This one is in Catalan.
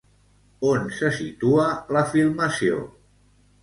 On se situa la filmació?